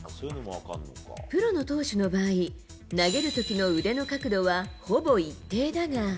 プロの投手の場合、投げるときの腕の角度はほぼ一定だが。